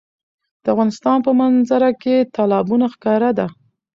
د افغانستان په منظره کې تالابونه ښکاره ده.